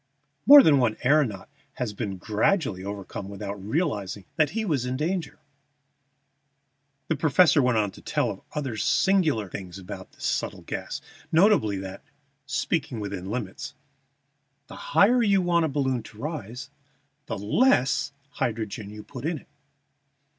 More than one aëronaut has been gradually overcome without realizing that he was in danger." The professor went on to tell of other singular things about this subtle gas, notably that, speaking within limits, the higher you want a balloon to rise, the less hydrogen you must put in it.